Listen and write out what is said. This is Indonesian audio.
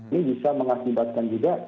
ini bisa mengakibatkan juga